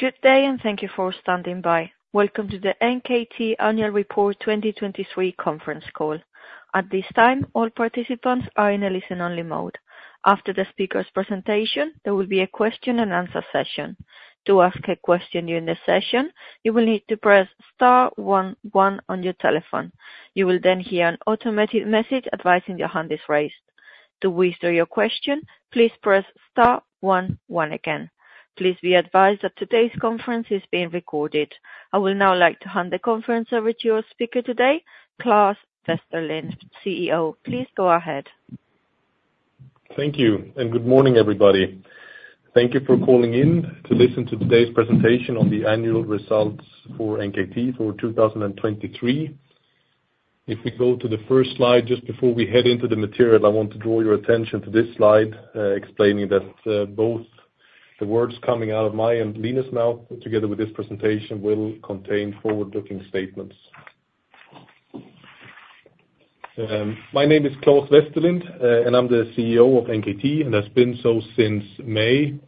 Good day, and thank you for standing by. Welcome to the NKT Annual Report 2023 Conference Call. At this time, all participants are in a listen-only mode. After the speaker's presentation, there will be a question and answer session. To ask a question during the session, you will need to press star one one on your telephone. You will then hear an automated message advising your hand is raised. To withdraw your question, please press star one one again. Please be advised that today's conference is being recorded. I will now like to hand the conference over to your speaker today, Claes Westerlind, CEO. Please go ahead. Thank you, and good morning, everybody. Thank you for calling in to listen to today's presentation on the annual results for NKT for 2023. If we go to the first slide, just before we head into the material, I want to draw your attention to this slide, explaining that, both the words coming out of my and Line's mouth, together with this presentation, will contain forward-looking statements. My name is Claes Westerlind, and I'm the CEO of NKT, and has been so since May.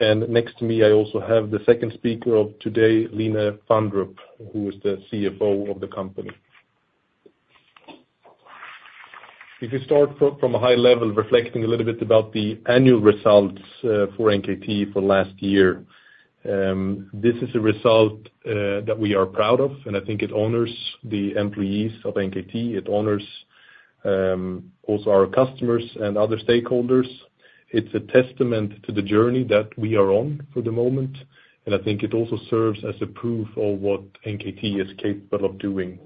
Next to me, I also have the second speaker of today, Line Fandrup, who is the CFO of the company. If you start from a high level, reflecting a little bit about the annual results for NKT for last year, this is a result that we are proud of, and I think it honors the employees of NKT. It honors also our customers and other stakeholders. It's a testament to the journey that we are on for the moment, and I think it also serves as a proof of what NKT is capable of doing.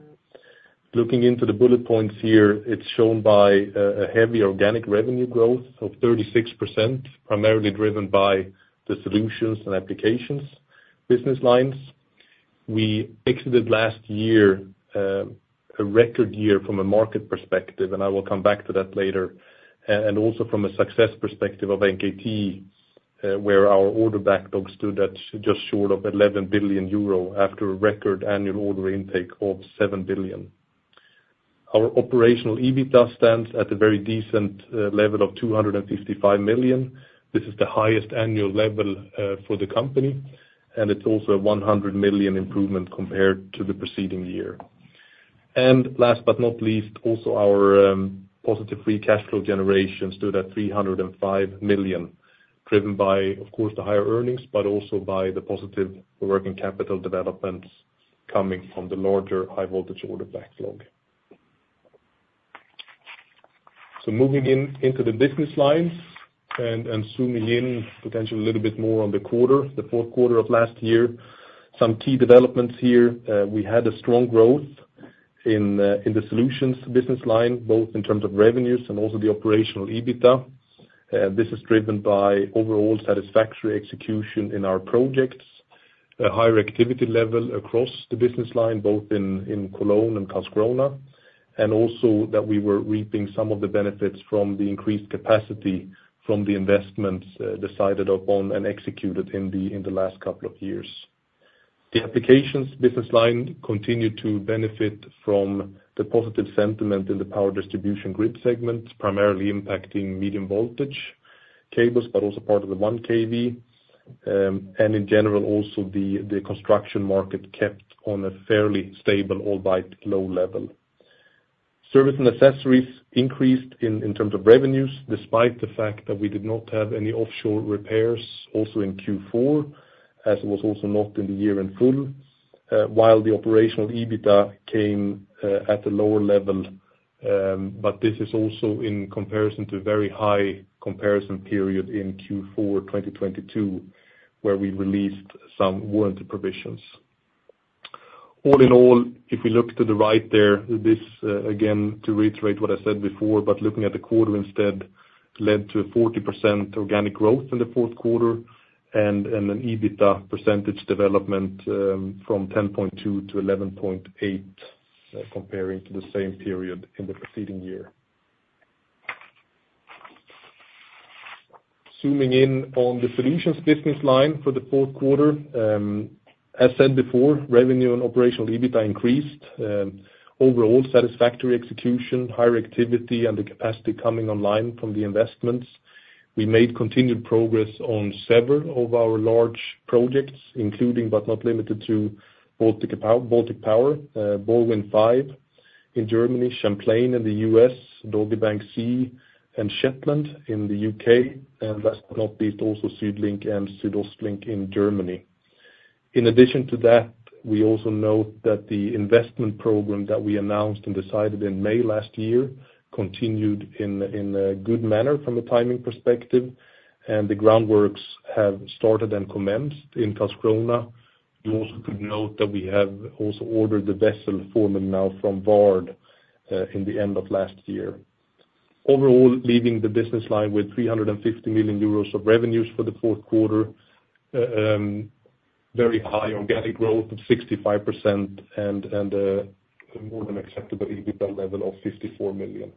Looking into the bullet points here, it's shown by a heavy organic revenue growth of 36%, primarily driven by the solutions and applications business lines. We exited last year a record year from a market perspective, and I will come back to that later. And also from a success perspective of NKT, where our order backlogs stood at just short of 11 billion euro after a record annual order intake of 7 billion. Our operational EBITDA stands at a very decent level of 255 million. This is the highest annual level for the company, and it's also a 100 million improvement compared to the preceding year. And last but not least, also our positive free cash flow generation stood at 305 million, driven by, of course, the higher earnings, but also by the positive working capital developments coming from the larger high-voltage order backlog. So moving into the business lines and zooming in, potentially a little bit more on the quarter, the fourth quarter of last year. Some key developments here. We had a strong growth in the Solutions business line, both in terms of revenues and also the Operational EBITDA. This is driven by overall satisfactory execution in our projects, a higher activity level across the business line, both in Cologne and Karlskrona, and also that we were reaping some of the benefits from the increased capacity from the investments decided upon and executed in the last couple of years. The Applications business line continued to benefit from the positive sentiment in the power distribution grid segment, primarily impacting medium voltage cables, but also part of the 1 kV. In general, also the construction market kept on a fairly stable, albeit low level. Service and accessories increased in terms of revenues, despite the fact that we did not have any offshore repairs also in Q4, as was also not in the year in full, while the operational EBITDA came at a lower level, but this is also in comparison to a very high comparison period in Q4 2022, where we released some warranty provisions. All in all, if we look to the right there, this again, to reiterate what I said before, but looking at the quarter instead, led to a 40% organic growth in the fourth quarter and an EBITDA percentage development from 10.2 to 11.8, comparing to the same period in the preceding year. Zooming in on the solutions business line for the fourth quarter, as said before, revenue and operational EBITDA increased. Overall satisfactory execution, higher activity, and the capacity coming online from the investments. We made continued progress on several of our large projects, including, but not limited to, Baltic Power, BorWin5 in Germany, Champlain in the US, Dogger Bank C, and Shetland in the UK, and last but not least, also SuedLink and SuedOstLink in Germany. In addition to that, we also note that the investment program that we announced and decided in May last year continued in a good manner from a timing perspective, and the groundworks have started and commenced in Karlskrona. You also could note that we have also ordered the vessel from Vard now in the end of last year. Overall, leaving the business line with 350 million euros of revenues for the fourth quarter, very high organic growth of 65% and more than acceptable EBITDA level of 54 million.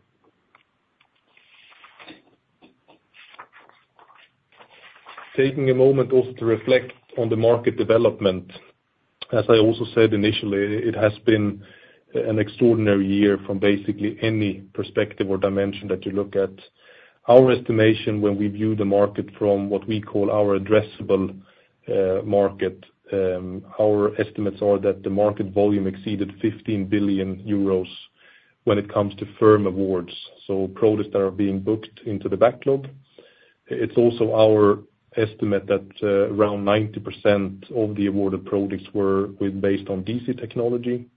Taking a moment also to reflect on the market development. As I also said initially, it has been an extraordinary year from basically any perspective or dimension that you look at. Our estimation when we view the market from what we call our addressable market, our estimates are that the market volume exceeded 15 billion euros when it comes to firm awards, so products that are being booked into the backlog. It's also our estimate that, around 90% of the awarded products were based on DC technology.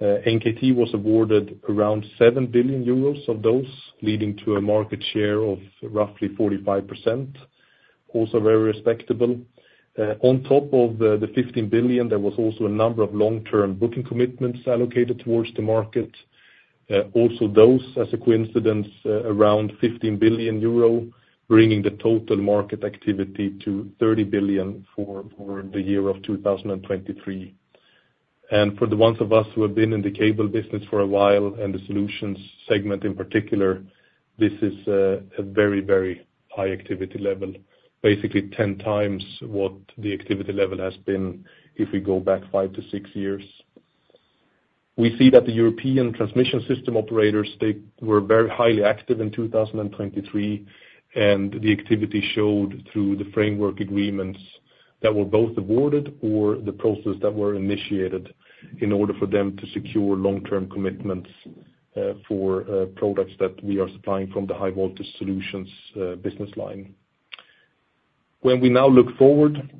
NKT was awarded around 7 billion euros of those, leading to a market share of roughly 45%, also very respectable. On top of the 15 billion, there was also a number of long-term booking commitments allocated towards the market. Also those, as a coincidence, around 15 billion euro, bringing the total market activity to 30 billion for the year of 2023. And for the ones of us who have been in the cable business for a while, and the solutions segment in particular, this is a very, very high activity level, basically 10 times what the activity level has been if we go back five to six years. We see that the European transmission system operators, they were very highly active in 2023, and the activity showed through the framework agreements that were both awarded or the process that were initiated in order for them to secure long-term commitments for products that we are supplying from the high voltage Solutions business line. When we now look forward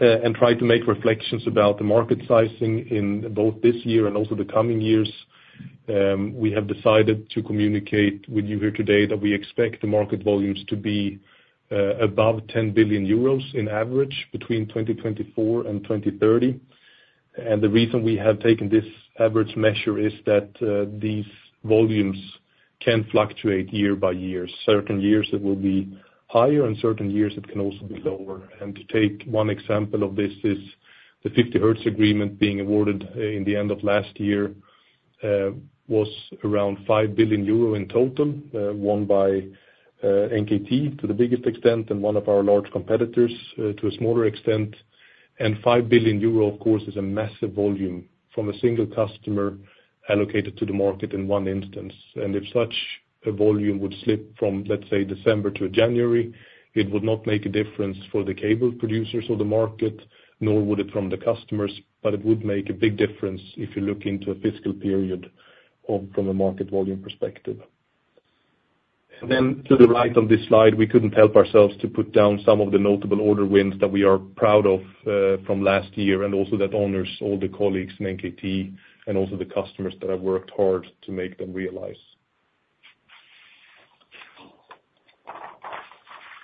and try to make reflections about the market sizing in both this year and also the coming years, we have decided to communicate with you here today that we expect the market volumes to be above 10 billion euros in average between 2024 and 2030. The reason we have taken this average measure is that these volumes can fluctuate year by year. Certain years it will be higher, and certain years it can also be lower. And to take one example of this is the 50Hertz agreement being awarded in the end of last year was around 5 billion euro in total won by NKT to the biggest extent and one of our large competitors to a smaller extent. And 5 billion euro, of course, is a massive volume from a single customer allocated to the market in one instance. And if such a volume would slip from, let's say, December to January, it would not make a difference for the cable producers or the market, nor would it from the customers, but it would make a big difference if you look into a fiscal period or from a market volume perspective. Then to the right of this slide, we couldn't help ourselves to put down some of the notable order wins that we are proud of, from last year, and also that honors all the colleagues in NKT, and also the customers that have worked hard to make them realize.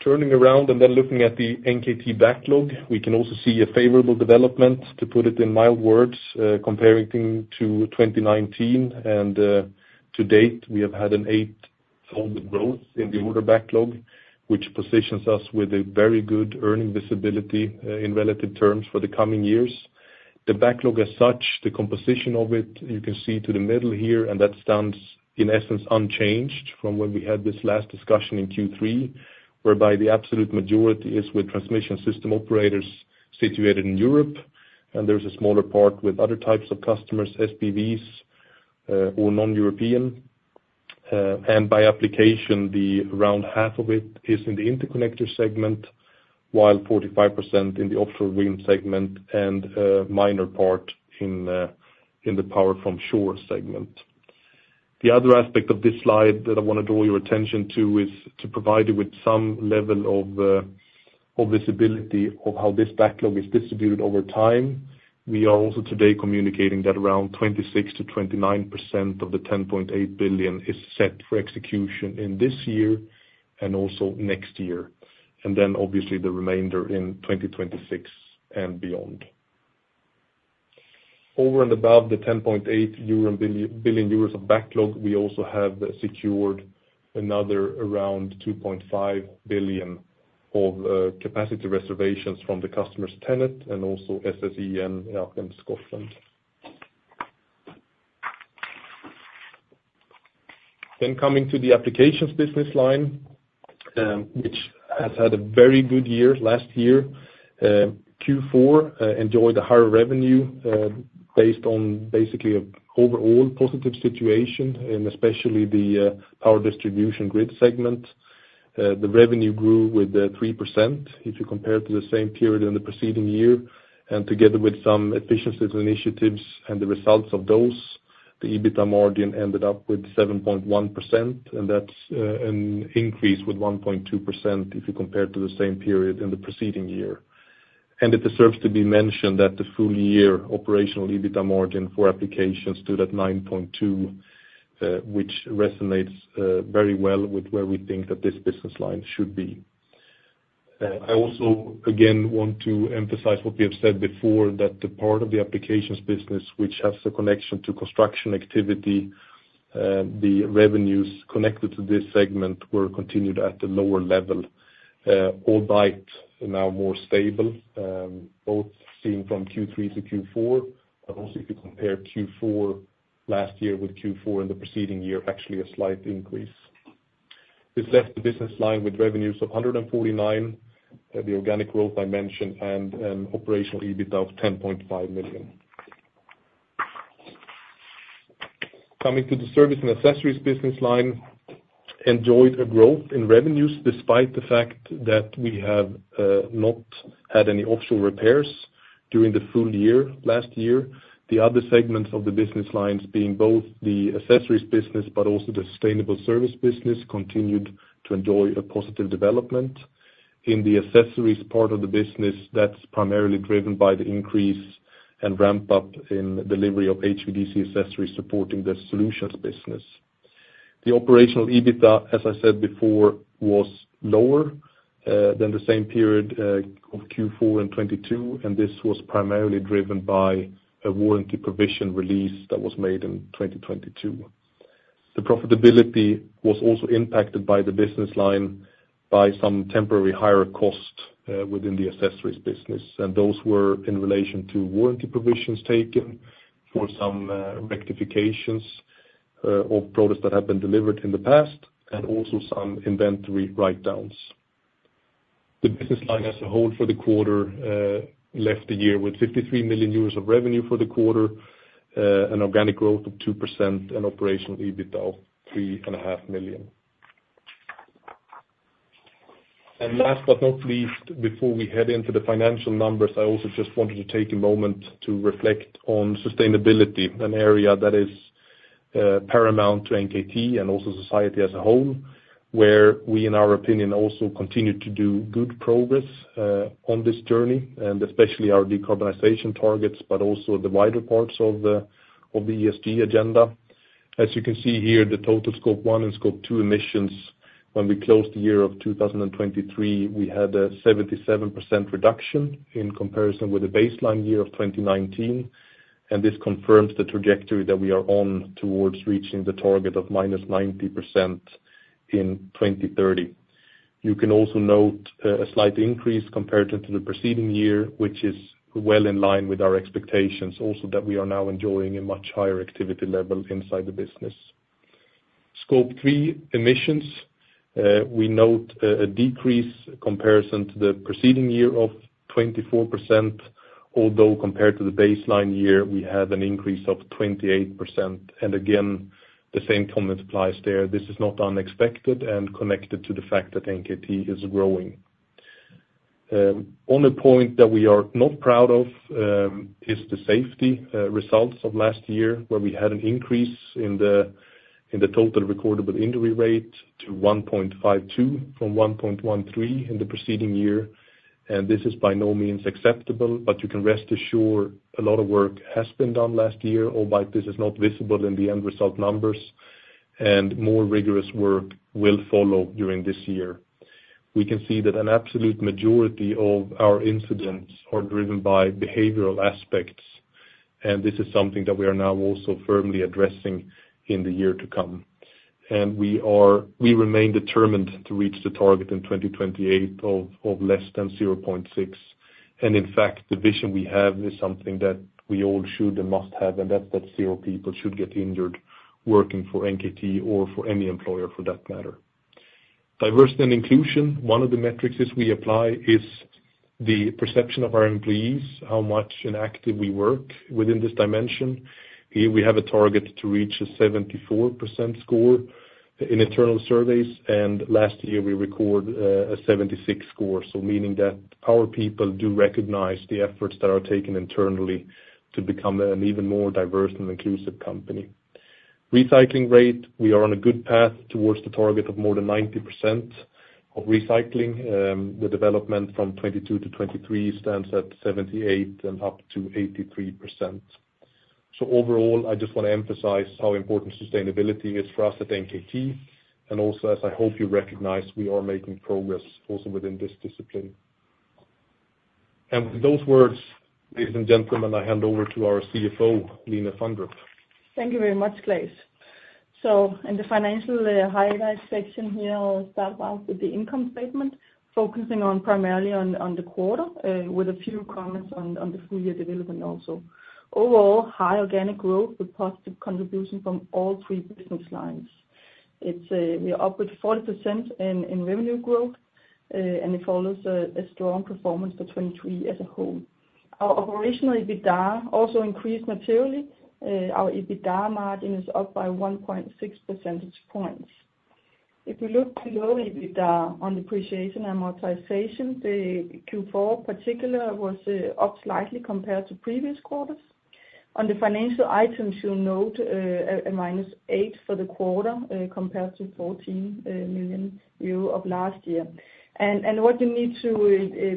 Turning around and then looking at the NKT backlog, we can also see a favorable development, to put it in mild words, comparing to 2019 and, to date, we have had an eight-fold growth in the order backlog, which positions us with a very good earning visibility, in relative terms for the coming years. The backlog as such, the composition of it, you can see to the middle here, and that stands, in essence, unchanged from when we had this last discussion in Q3, whereby the absolute majority is with transmission system operators situated in Europe, and there's a smaller part with other types of customers, SPVs, or non-European. By application, the around half of it is in the interconnector segment, while 45% in the offshore wind segment and a minor part in, in the power from shore segment. The other aspect of this slide that I want to draw your attention to is to provide you with some level of, of visibility of how this backlog is distributed over time. We are also today communicating that around 26%-29% of the 10.8 billion is set for execution in this year and also next year, and then obviously the remainder in 2026 and beyond. Over and above the 10.8 billion euros of backlog, we also have secured another around 2.5 billion of capacity reservations from the customer TenneT and also SSEN out in Scotland. Then coming to the applications business line, which has had a very good year last year. Q4 enjoyed a higher revenue based on basically an overall positive situation, and especially the power distribution grid segment. The revenue grew with 3% if you compare to the same period in the preceding year, and together with some efficiency initiatives and the results of those, the EBITDA margin ended up with 7.1%, and that's an increase with 1.2% if you compare to the same period in the preceding year. It deserves to be mentioned that the full year operational EBITDA margin for applications stood at 9.2, which resonates very well with where we think that this business line should be. I also, again, want to emphasize what we have said before, that the part of the applications business which has the connection to construction activity, the revenues connected to this segment were continued at a lower level, albeit now more stable, both seen from Q3 to Q4, but also if you compare Q4 last year with Q4 in the preceding year, actually a slight increase. This left the business line with revenues of 149 million, the organic growth I mentioned, and an operational EBIT of 10.5 million. Coming to the service and accessories business line, enjoyed a growth in revenues despite the fact that we have not had any offshore repairs during the full year, last year. The other segments of the business lines being both the accessories business but also the sustainable service business, continued to enjoy a positive development. In the accessories part of the business, that's primarily driven by the increase and ramp up in delivery of HVDC accessories supporting the solutions business. The operational EBITDA, as I said before, was lower than the same period of Q4 in 2022, and this was primarily driven by a warranty provision release that was made in 2022. The profitability was also impacted by the business line, by some temporary higher cost within the accessories business. And those were in relation to warranty provisions taken for some rectifications of products that have been delivered in the past, and also some inventory write downs. The business line as a whole for the quarter left the year with 53 million euros of revenue for the quarter, an organic growth of 2% and operational EBIT of 3.5 million. And last but not least, before we head into the financial numbers, I also just wanted to take a moment to reflect on sustainability, an area that is, paramount to NKT and also society as a whole, where we, in our opinion, also continue to do good progress, on this journey, and especially our decarbonization targets, but also the wider parts of the, of the ESG agenda. As you can see here, the total Scope 1 and Scope 2 emissions when we closed the year of 2023, we had a 77% reduction in comparison with the baseline year of 2019, and this confirms the trajectory that we are on towards reaching the target of -90% in 2030. You can also note a slight increase compared to the preceding year, which is well in line with our expectations, also, that we are now enjoying a much higher activity level inside the business. Scope 3 emissions, we note a decrease comparison to the preceding year of 24%, although compared to the baseline year, we have an increase of 28%. And again, the same comment applies there. This is not unexpected and connected to the fact that NKT is growing. On a point that we are not proud of is the safety results of last year, where we had an increase in the total recordable injury rate to 1.52 from 1.13 in the preceding year. This is by no means acceptable, but you can rest assured a lot of work has been done last year, albeit this is not visible in the end result numbers, and more rigorous work will follow during this year. We can see that an absolute majority of our incidents are driven by behavioral aspects, and this is something that we are now also firmly addressing in the year to come. We remain determined to reach the target in 2028 of less than 0.6. In fact, the vision we have is something that we all should and must have, and that's that zero people should get injured working for NKT or for any employer for that matter. Diversity and inclusion. One of the metrics we apply is the perception of our employees, how much and active we work within this dimension. Here we have a target to reach a 74% score in internal surveys, and last year, we record a 76 score. So meaning that our people do recognize the efforts that are taken internally to become an even more diverse and inclusive company. Recycling rate, we are on a good path towards the target of more than 90% of recycling. The development from 2022 to 2023 stands at 78% and up to 83%. So overall, I just want to emphasize how important sustainability is for us at NKT, and also, as I hope you recognize, we are making progress also within this discipline. And with those words, ladies and gentlemen, I hand over to our CFO, Line Fandrup. Thank you very much, Claes. In the financial highlight section here, I'll start off with the income statement, focusing primarily on the quarter with a few comments on the full year development also. Overall, high organic growth with positive contribution from all three business lines. It's we are up with 40% in revenue growth and it follows a strong performance for 2023 as a whole. Our operational EBITDA also increased materially. Our EBITDA margin is up by 1.6 percentage points. If you look below EBITDA on depreciation amortization, the Q4 particular was up slightly compared to previous quarters. On the financial items, you'll note -8 million for the quarter compared to 14 million euro of last year. What you need to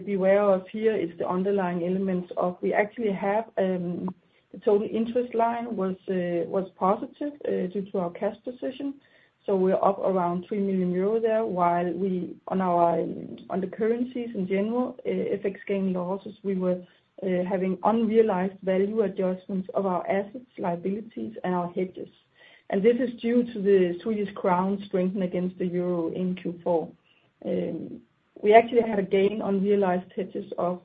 beware of here is the underlying elements of we actually have the total interest line was positive due to our cash position. So we're up around 3 million euro there, while we on our, on the currencies in general, FX gain losses, we were having unrealized value adjustments of our assets, liabilities, and our hedges. And this is due to the Swedish krona strengthening against the euro in Q4. We actually had a gain on realized hedges of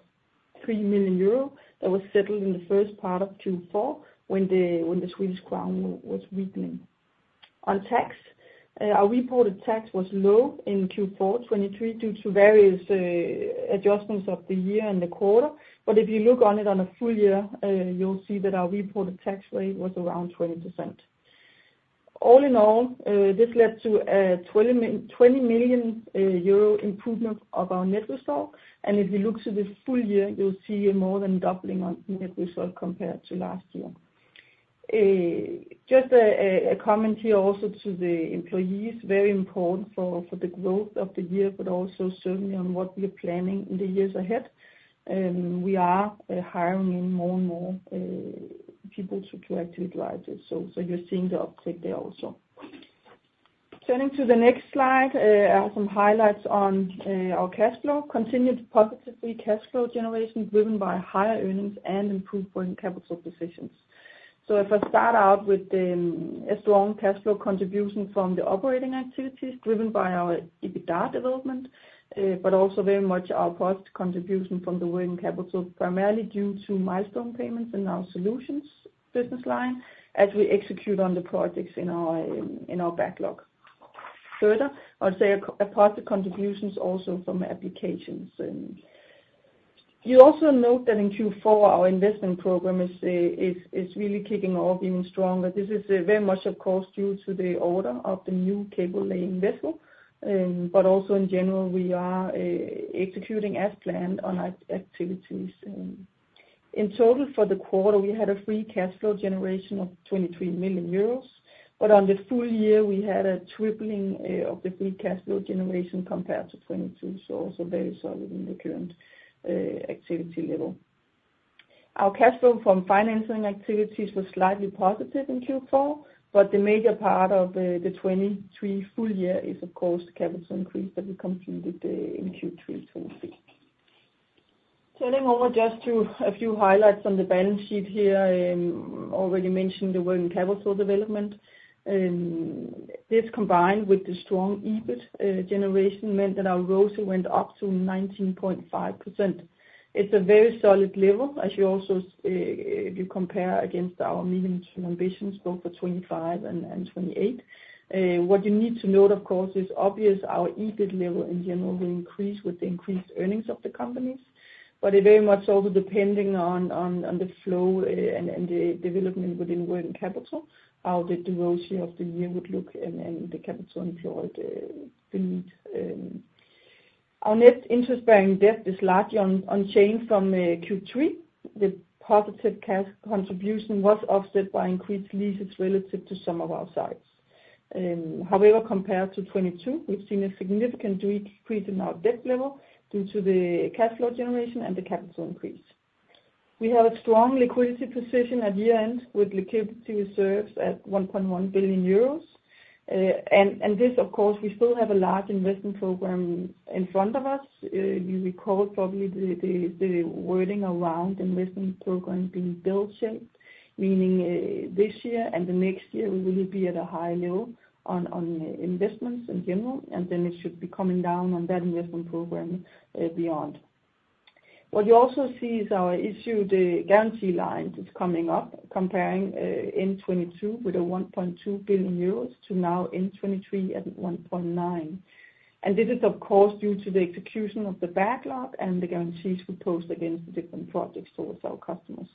3 million euro that was settled in the first part of Q4, when the Swedish krona was weakening. On tax, our reported tax was low in Q4 2023 due to various adjustments of the year and the quarter. But if you look on it on a full year, you'll see that our reported tax rate was around 20%. All in all, this led to a 20 million euro improvement of our net result. And if you look to the full year, you'll see a more than doubling on net result compared to last year. Just a comment here also to the employees, very important for the growth of the year, but also certainly on what we are planning in the years ahead. We are hiring in more and more people to utilize this. So you're seeing the uptick there also. Turning to the next slide, some highlights on our cash flow. Continued positive cash flow generation, driven by higher earnings and improved working capital positions. So if I start out with a strong cash flow contribution from the operating activities driven by our EBITDA development, but also very much our positive contribution from the working capital, primarily due to milestone payments in our solutions business line, as we execute on the projects in our backlog. Further, I'd say a positive contributions also from applications. And you also note that in Q4, our investment program is really kicking off even stronger. This is very much, of course, due to the order of the new cable laying vessel. But also in general, we are executing as planned on our activities. In total, for the quarter, we had a free cash flow generation of 23 million euros, but on the full year, we had a tripling of the free cash flow generation compared to 2022, so also very solid in the current activity level. Our cash flow from financing activities was slightly positive in Q4, but the major part of the 2023 full year is, of course, the capital increase that we completed in Q3 2023. Turning over just to a few highlights on the balance sheet here, already mentioned the working capital development. This combined with the strong EBIT generation, meant that our ROCE went up to 19.5%. It's a very solid level, as you also, if you compare against our medium-term ambitions, both for 2025 and 2028. What you need to note, of course, is obvious our EBIT level in general will increase with the increased earnings of the companies, but it very much also depending on the flow and the development within working capital, how the dilution of the year would look and the capital employed, the need. Our net interest-bearing debt is largely unchanged from Q3. The positive cash contribution was offset by increased leases relative to some of our sites. However, compared to 2022, we've seen a significant decrease in our debt level due to the cash flow generation and the capital increase. We have a strong liquidity position at year-end, with liquidity reserves at 1.1 billion euros. And this, of course, we still have a large investment program in front of us. You recall probably the wording around investment program being bell-shaped, meaning this year and the next year, we will be at a high level on investments in general, and then it should be coming down on that investment program beyond. What you also see is our issued guarantee lines is coming up, comparing in 2022 with 1.2 billion euros to now in 2023 at 1.9 billion. And this is, of course, due to the execution of the backlog and the guarantees we post against the different projects towards our customers.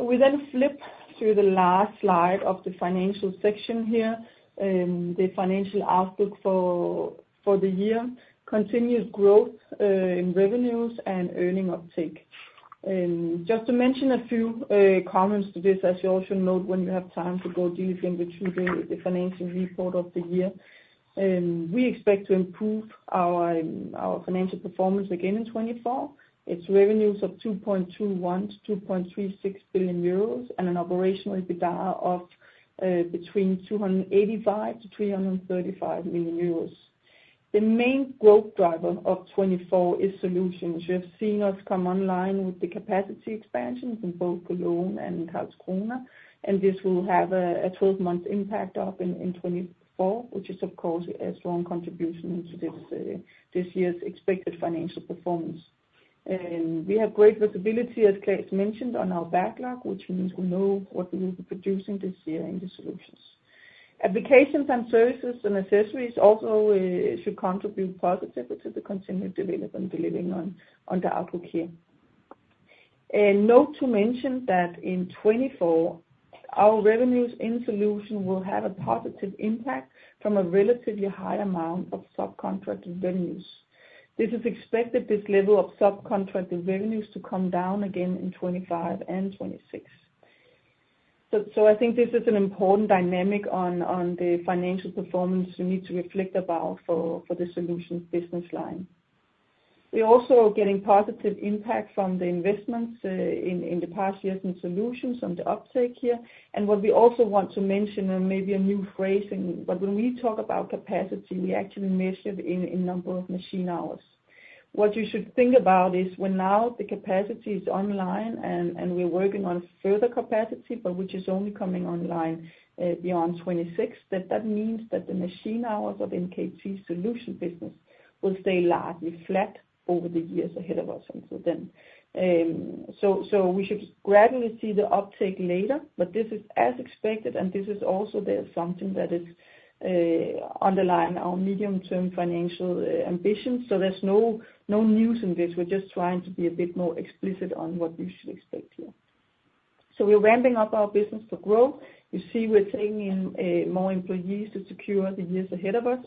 We then flip to the last slide of the financial section here, the financial outlook for the year. Continuous growth in revenues and earnings uptake. Just to mention a few comments to this, as you also note when you have time to go deep into the financial report of the year, we expect to improve our financial performance again in 2024. It's revenues of 2.21 billion-2.36 billion euros, and an operational EBITDA of between 285 million-335 million euros. The main growth driver of 2024 is solutions. You have seen us come online with the capacity expansions in both Cologne and Karlskrona, and this will have a 12-month impact up in 2024, which is, of course, a strong contribution into this year's expected financial performance. And we have great visibility, as Claes mentioned, on our backlog, which means we know what we will be producing this year in the solutions. Applications and services and accessories also should contribute positively to the continued development delivering on the outlook here. And not to mention that in 2024, our revenues in solution will have a positive impact from a relatively high amount of subcontracted revenues. This is expected, this level of subcontracted revenues, to come down again in 2025 and 2026. So I think this is an important dynamic on the financial performance you need to reflect about for the solutions business line. We're also getting positive impact from the investments in the past years in solutions on the uptake here. And what we also want to mention, and maybe a new phrasing, but when we talk about capacity, we actually measure it in number of machine hours. What you should think about is when now the capacity is online and we're working on further capacity, but which is only coming online beyond 2026, that means that the machine hours of NKT Solutions business will stay largely flat over the years ahead of us. So we should gradually see the uptake later, but this is as expected, and this is also the assumption that is underlying our medium-term financial ambitions. So there's no news in this. We're just trying to be a bit more explicit on what we should expect here. So we're ramping up our business to grow. You see, we're taking in more employees to secure the years ahead of us,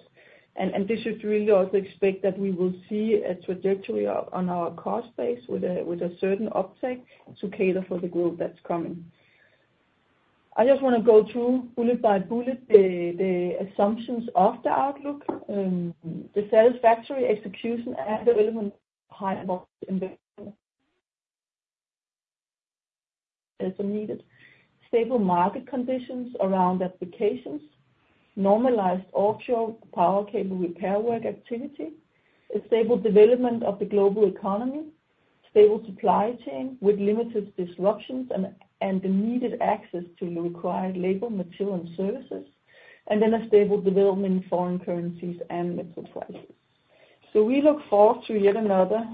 and this should really also expect that we will see a trajectory on our cost base with a certain uptake to cater for the growth that's coming. I just want to go through, bullet by bullet, the assumptions of the outlook, the satisfactory execution and development as needed. Stable market conditions around applications, normalized offshore power cable repair work activity, a stable development of the global economy, stable supply chain with limited disruptions, and the needed access to the required labor, material, and services, and then a stable development in foreign currencies and metal prices. So we look forward to yet another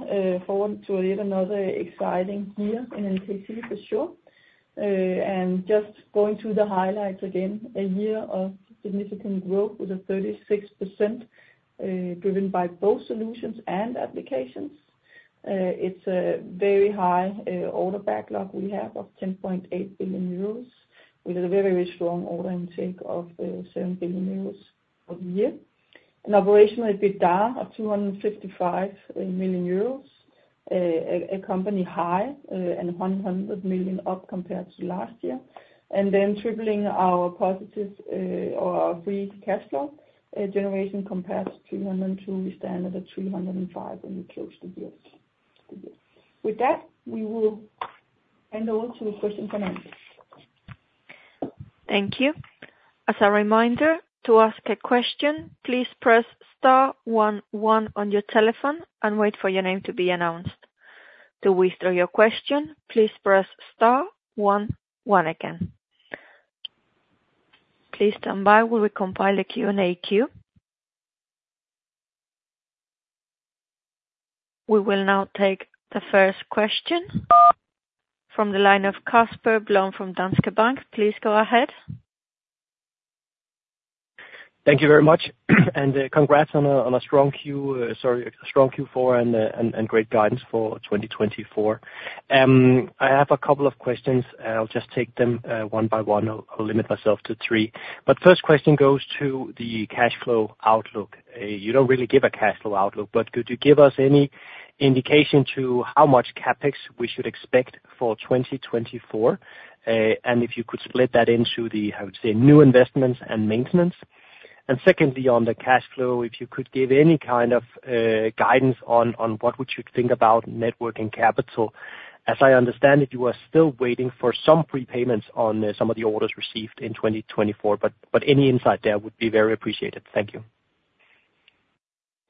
exciting year in NKT, for sure. Just going through the highlights again, a year of significant growth with a 36%, driven by both solutions and applications. It's a very high order backlog we have of 10.8 billion euros, with a very strong order intake of 7 billion euros for the year. An Operational EBITDA of 255 million euros, a company high, and 100 million up compared to last year. And then tripling our positive, or our free cash flow generation compared to 2022, we stand at 305 million when we close the year. With that, we will hand over to the question-and-answers. Thank you. As a reminder, to ask a question, please press star one one on your telephone and wait for your name to be announced. To withdraw your question, please press star one one again. Please stand by while we compile the Q&A queue. We will now take the first question from the line of Casper Blom from Danske Bank. Please go ahead. Thank you very much, and congrats on a strong Q4 and great guidance for 2024. I have a couple of questions, and I'll just take them one by one. I'll limit myself to three. But first question goes to the cash flow outlook. You don't really give a cash flow outlook, but could you give us any indication to how much CapEx we should expect for 2024? And if you could split that into the, I would say, new investments and maintenance. And secondly, on the cash flow, if you could give any kind of guidance on what we should think about net working capital. As I understand it, you are still waiting for some prepayments on some of the orders received in 2024, but, but any insight there would be very appreciated. Thank you.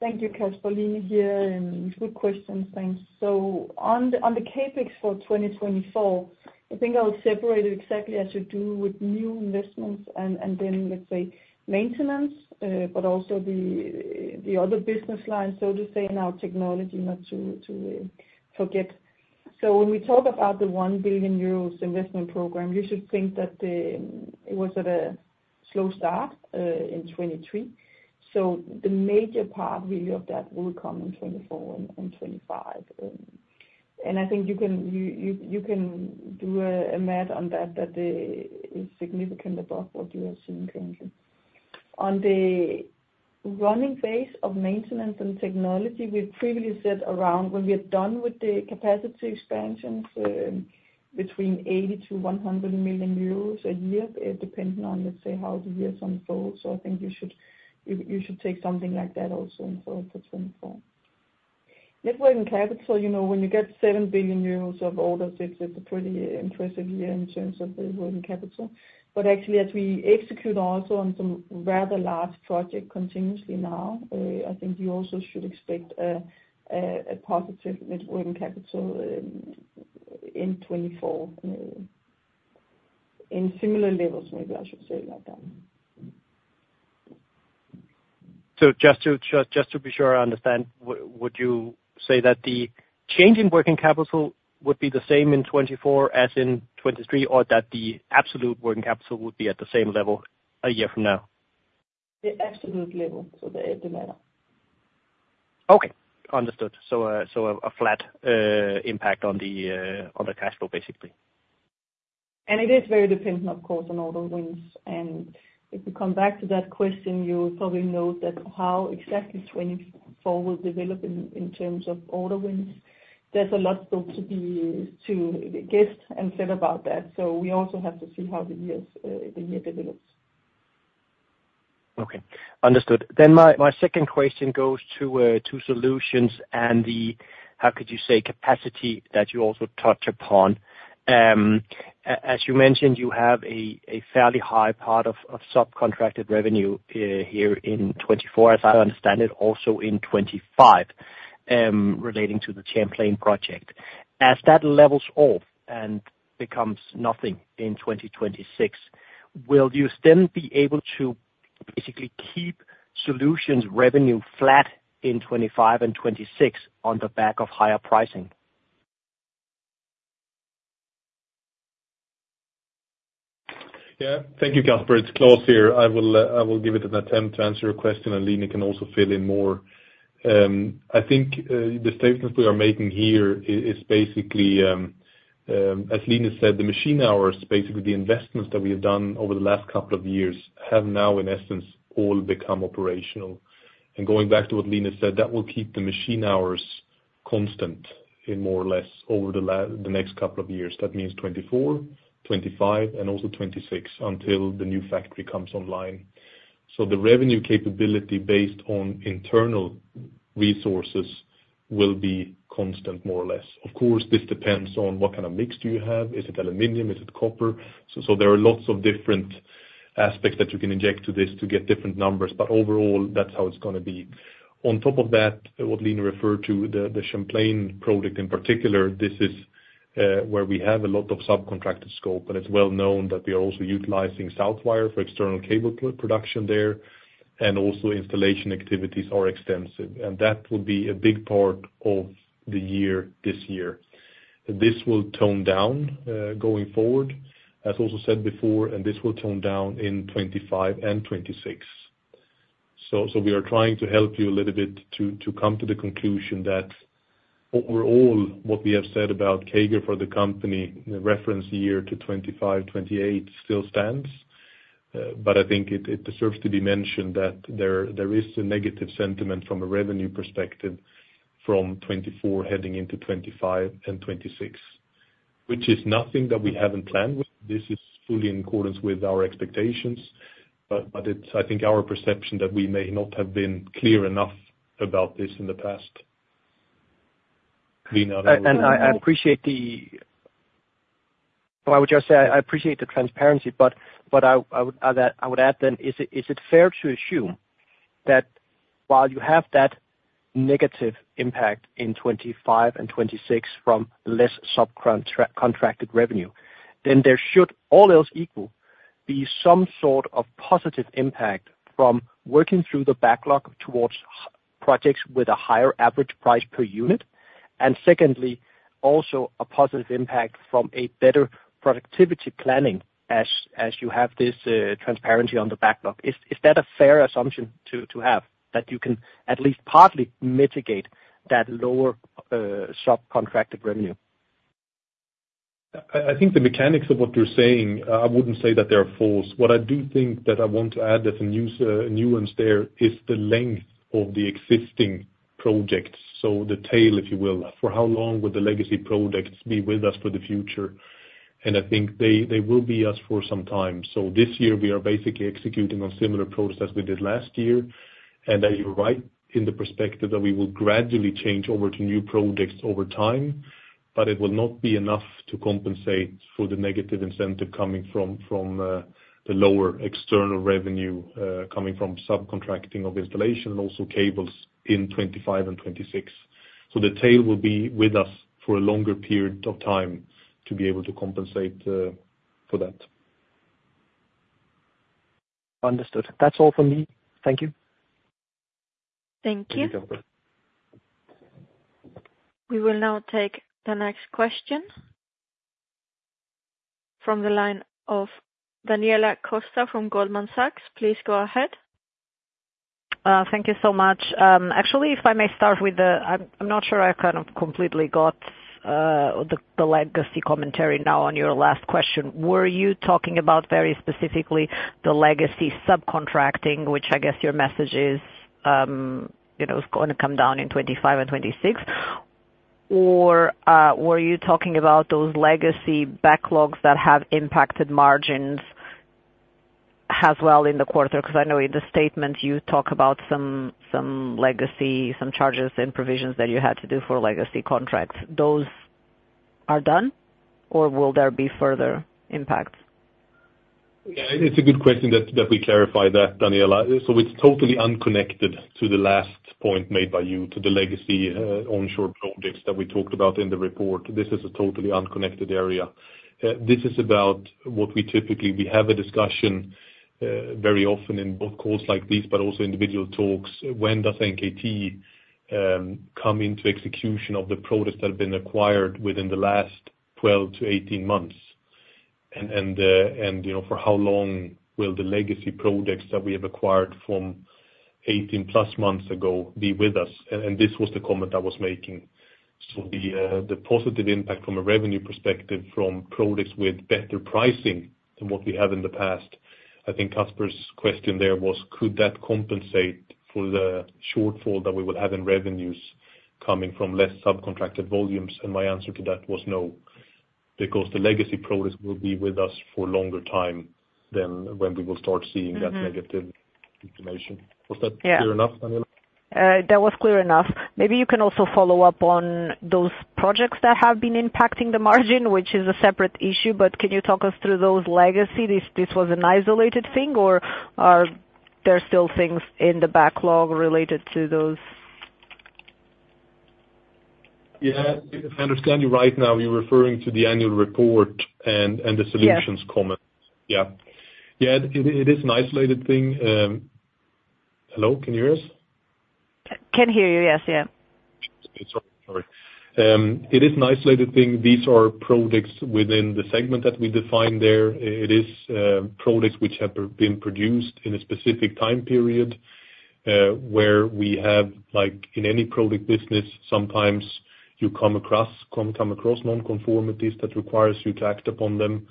Thank you, Casper. Line here, and good questions. Thanks. So on the CapEx for 2024, I think I'll separate it exactly as you do with new investments and then, let's say, maintenance, but also the other business lines, so to say, in our technology, not to forget. So when we talk about the 1 billion euros investment program, you should think that it was at a slow start in 2023. So the major part really of that will come in 2024 and 2025. And I think you can do a math on that that is significant above what you have seen currently. On the running phase of maintenance and technology, we've previously said around when we are done with the capacity expansions, between 80-100 million euros a year, depending on, let's say, how the years unfold. So I think you should take something like that also for 2024. Net working capital, you know, when you get 7 billion euros of orders, it's a pretty impressive year in terms of the working capital. But actually, as we execute also on some rather large project continuously now, I think you also should expect a positive net working capital in 2024, in similar levels, maybe I should say it like that. So just to be sure I understand, would you say that the change in working capital would be the same in 2024 as in 2023, or that the absolute working capital would be at the same level a year from now? The absolute level, so the latter. Okay, understood. So a flat impact on the cash flow, basically. It is very dependent, of course, on order wins. If you come back to that question, you probably note that how exactly 2024 will develop in terms of order wins. There's a lot still to be guessed and said about that, so we also have to see how the year develops. Okay, understood. Then my second question goes to Solutions and the capacity that you also touch upon. As you mentioned, you have a fairly high part of subcontracted revenue here in 2024, as I understand it, also in 2025, relating to the Champlain project. As that levels off and becomes nothing in 2026, will you then be able to basically keep solutions revenue flat in 2025 and 2026 on the back of higher pricing? Yeah. Thank you, Casper. It's Claes here. I will give it an attempt to answer your question, and Line can also fill in more. I think the statement we are making here is basically, as Line said, the machine hours, basically, the investments that we have done over the last couple of years have now, in essence, all become operational. And going back to what Line said, that will keep the machine hours constant in more or less over the next couple of years. That means 2024, 2025, and also 2026, until the new factory comes online. So the revenue capability based on internal resources will be constant, more or less. Of course, this depends on what kind of mix do you have? Is it aluminum? Is it copper? So there are lots of different aspects that you can inject to this to get different numbers, but overall, that's how it's gonna be. On top of that, what Line referred to, the Champlain product in particular, this is where we have a lot of subcontracted scope, but it's well known that we are also utilizing Southwire for external cable production there, and also installation activities are extensive. That will be a big part of the year, this year. This will tone down going forward, as also said before, and this will tone down in 2025 and 2026. So we are trying to help you a little bit to come to the conclusion that overall, what we have said about CAGR for the company, the reference year to 2025-2028, still stands. But I think it deserves to be mentioned that there is a negative sentiment from a revenue perspective from 2024 heading into 2025 and 2026, which is nothing that we haven't planned with. This is fully in accordance with our expectations, but it's, I think, our perception that we may not have been clear enough about this in the past. Line, I don't know I appreciate the transparency, but I would add then, is it fair to assume that while you have that negative impact in 2025 and 2026 from less subcontracted revenue, then there should, all else equal, be some sort of positive impact from working through the backlog towards higher projects with a higher average price per unit? And secondly, also a positive impact from a better productivity planning as you have this transparency on the backlog. Is that a fair assumption to have, that you can at least partly mitigate that lower subcontracted revenue? I think the mechanics of what you're saying, I wouldn't say that they are false. What I do think that I want to add as a nuance there is the length of the existing projects. So the tail, if you will, for how long will the legacy projects be with us for the future? And I think they will be with us for some time. So this year we are basically executing on similar products as we did last year. And as you're right, in the perspective that we will gradually change over to new projects over time, but it will not be enough to compensate for the negative incentive coming from the lower external revenue coming from subcontracting of installation and also cables in 2025 and 2026. So the tail will be with us for a longer period of time to be able to compensate for that. Understood. That's all for me. Thank you. Thank you. Thank you. We will now take the next question from the line of Daniela Costa from Goldman Sachs. Please go ahead. Thank you so much. Actually, if I may start with the I'm not sure I kind of completely got the legacy commentary now on your last question. Were you talking about very specifically the legacy subcontracting, which I guess your message is, you know, it's gonna come down in 2025 and 2026? Or were you talking about those legacy backlogs that have impacted margins as well in the quarter? Because I know in the statement you talk about some legacy, some charges and provisions that you had to do for legacy contracts. Those are done, or will there be further impacts? Yeah, it's a good question that we clarify that, Daniela. So it's totally unconnected to the last point made by you, to the legacy onshore projects that we talked about in the report. This is a totally unconnected area. This is about what we typically have a discussion very often in both calls like this, but also individual talks. When does NKT come into execution of the products that have been acquired within the last 12 to 18 months? And you know, for how long will the legacy products that we have acquired from 18+ months ago be with us? And this was the comment I was making. So the positive impact from a revenue perspective, from products with better pricing than what we have in the past, I think Casper's question there was, could that compensate for the shortfall that we would have in revenues? Coming from less subcontracted volumes, and my answer to that was no, because the legacy products will be with us for longer time than when we will start seeing that Negative information. Was that clear enough, Daniela? That was clear enough. Maybe you can also follow up on those projects that have been impacting the margin, which is a separate issue, but can you talk us through those legacy? This, this was an isolated thing, or are there still things in the backlog related to those? Yeah, if I understand you right now, you're referring to the annual report and the solutions comment. Yeah. Yeah. Yeah, it is an isolated thing. Hello, can you hear us? Can hear you, yes. Yeah. Sorry, sorry. It is an isolated thing. These are products within the segment that we define there. It is products which have been produced in a specific time period, where we have, like in any product business, sometimes you come across non-conformities that requires you to act upon them.